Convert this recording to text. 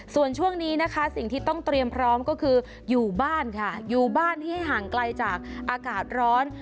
ส่วนช่วงนี้นะคะสิ่งที่ต้องเตรียมพร้อมก็คืออยู่บ้านค่ะอยู่บ้านที่ให้ห่างไกลจากอากาศร้อน